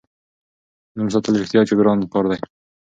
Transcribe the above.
نوم ساتل رښتیا چې ګران کار دی.